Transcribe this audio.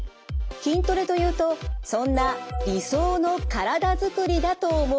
筋トレというとそんな理想の体づくりだと思われがち。